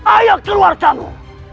ayo keluar kamu